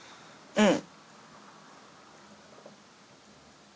うん。